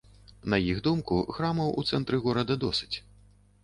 На іх думку, храмаў у цэнтры горада досыць.